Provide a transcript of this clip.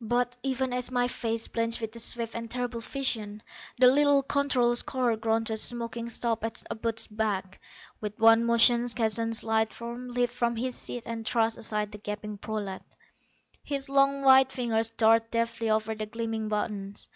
But, even as my face blanched with the swift and terrible vision, the little controller's car ground to a smoking stop at Abud's back. With one motion Keston's lithe form leaped from his seat and thrust aside the gaping prolat. His long white fingers darted deftly over the gleaming buttons.